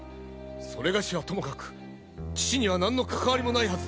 それがしはともかく父には何の関わりもないはずでございます！